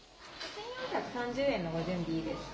１４３０円のご準備いいですか。